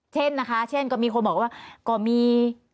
เช่นนะคะเช่นก็มีคนบอกว่าก็มี